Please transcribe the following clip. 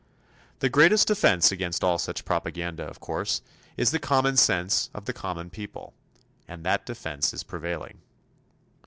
The greatest defense against all such propaganda, of course, is the common sense of the common people and that defense is prevailing.